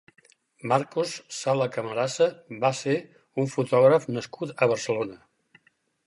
Marcos Sala Camarasa va ser un fotògraf nascut a Barcelona.